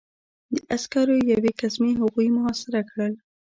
د عسکرو یوې ګزمې هغوی محاصره کړل